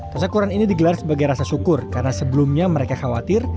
tasyakuran ini digelar sebagai rasa syukur karena sebelumnya mereka khawatir